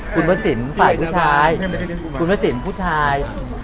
คุณพระสินตร์ฝ่ายผู้ชาย